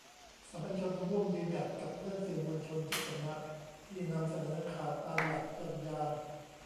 สามัญชน ร่วมยืนหยัด กับเพื่อนสื่อมวลชนทุกสำนัก ที่นำเสนอข่าวตามหลักจรรยา